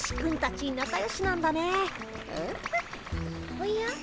おや？